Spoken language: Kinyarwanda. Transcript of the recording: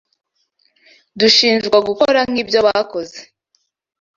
dushinjwa gukora nk’ibyo bakoze